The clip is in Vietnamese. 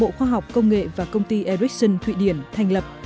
bộ khoa học công nghệ và công ty ericsson thụy điển thành lập